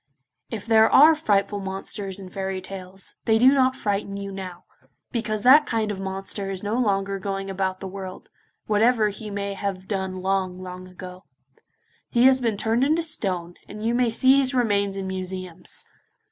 If there are frightful monsters in fairy tales, they do not frighten you now, because that kind of monster is no longer going about the world, whatever he may have done long, long ago. He has been turned into stone, and you may see his remains in museums.